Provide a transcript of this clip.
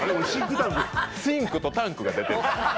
シンクとタンクが出てる。